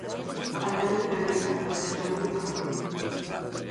Álvaro Cervera, adestrador do Cádiz.